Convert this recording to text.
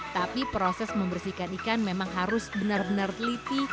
tapi proses membersihkan ikan memang harus benar benar teliti